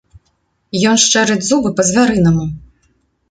Ён шчэрыць зубы па-звярынаму.